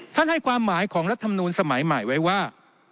ให้ความหมายของรัฐมนูลสมัยใหม่ไว้ว่า